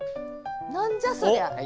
何じゃそりゃ？